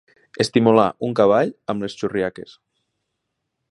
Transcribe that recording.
Estimular un cavall amb les xurriaques.